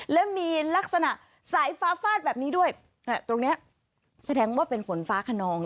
และมีลักษณะสายฟ้าฟาดแบบนี้ด้วยตรงนี้แสดงว่าเป็นฝนฟ้าขนอง